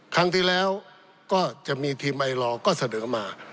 ครั้งที่แล้วก็จะมีทีมไอลอร์ก็เสนอมา